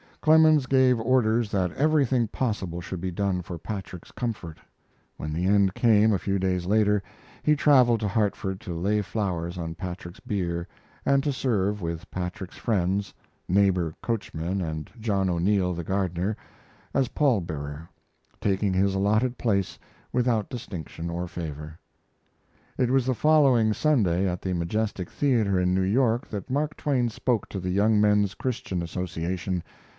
Clemens gave orders that everything possible should be done for Patrick's comfort. When the end came, a few days later, he traveled to Hartford to lay flowers on Patrick's bier, and to serve, with Patrick's friends neighbor coachmen and John O'Neill, the gardener as pall bearer, taking his allotted place without distinction or favor. It was the following Sunday, at the Majestic Theater, in New York, that Mark Twain spoke to the Young Men's Christian Association.